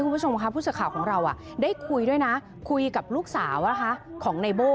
ข้อมูลที่คุยด้วยนะคุยกับลูกสาวของในโบ